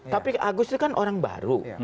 tapi agus itu kan orang baru